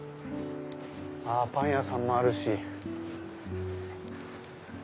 パン屋さんもあるし。